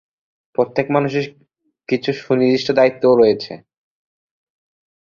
প্রত্যেক মানুষের কিছু সুনির্দিষ্ট দায়িত্বও রয়েছে।